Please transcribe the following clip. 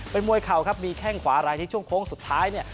เป็นมวยเข่าครับมีแข้งขวาอะไรที่ช่วงโค้งสุดท้ายเนี่ย